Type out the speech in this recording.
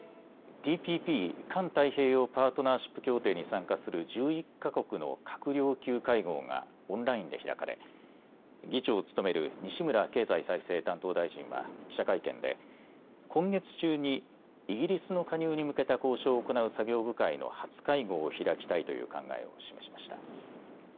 ＴＰＰ・環太平洋パートナーシップ協定に参加する１１か国の閣僚級会合がオンラインで開かれ議長を務める西村経済再生担当大臣は記者会見で今月中にイギリスの加入に向けた交渉を行う作業部会の初会合を開きたいという考えを示しました。